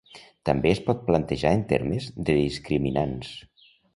També es pot plantejar en termes de discriminants.